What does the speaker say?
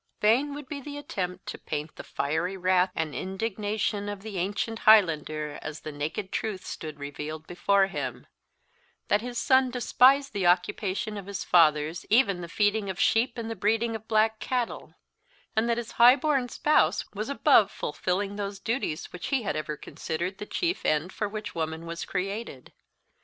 Vain would be the attempt to paint the fiery wrath and indignation of the ancient Highlander as the naked truth stood revealed before him: that his son despised the occupation of his fathers, even the feeding of sheep and the breeding of black cattle; and that his high born spouse was above fulfilling those duties which he had ever considered the chief end for which woman was created.